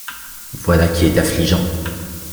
Voilà qui est affligeant.